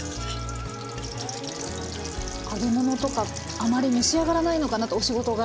揚げ物とかあまり召し上がらないのかなとお仕事柄。